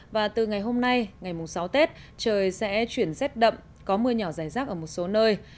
và từ ngày hôm nay ngày mùng sáu tết trời sẽ chuyển rét đậm có mưa nhỏ dài rác ở một số nơi